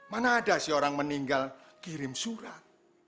mana ada sih orang meninggal kirim surat